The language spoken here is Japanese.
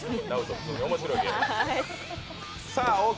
普通に面白いゲームなんで。